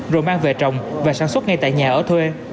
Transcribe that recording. rồi mang về trồng và sản xuất ngay tại nhà ở thuê